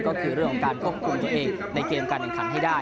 ก็คือเรื่องของการควบคุมตัวเองในเกมการแข่งขันให้ได้